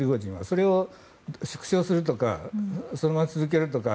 それを縮小するとかそのまま続けるとか。